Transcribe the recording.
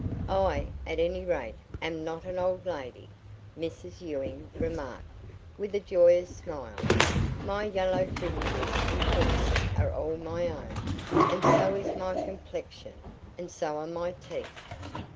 "I, at any rate, am not an old lady," Mrs Ewing remarked, with a joyous smile. "My yellow fringes and things are all my own, and so is my complexion, and so are my teeth."